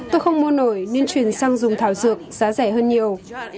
tôi không mua nổi nên chuyển sang dùng thảo dược giá rẻ hơn nhiều